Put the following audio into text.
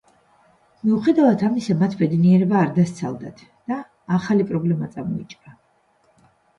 მიუხედავად ამისა, მათ ბედნიერება არ დასცალდათ და ახალი პრობლემა წამოიჭრა.